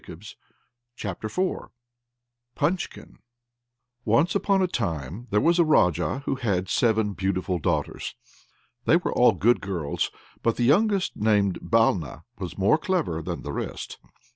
Punchkin Once upon a time there was a Raja who had seven beautiful daughters. They were all good girls; but the youngest, named Balna, was more clever than the rest.